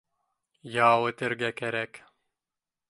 Ял итергә кәрәк